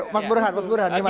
oke mas burhan mas burhan gimana